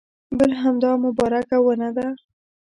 بل همدا مبارکه ونه ده.